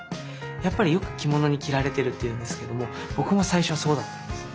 やっぱりよく着物に着られてるって言うんですけども僕も最初はそうだったんです。